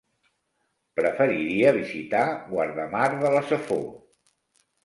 Preferiria visitar Guardamar de la Safor.